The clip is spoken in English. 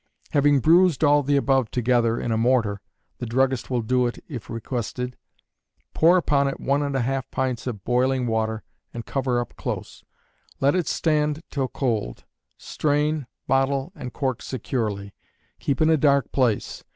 Having bruised all the above together in a mortar (the druggist will do it if requested), pour upon it one and a half pints of boiling water and cover up close; let it stand till cold; strain, bottle, and cork securely; keep in a dark place.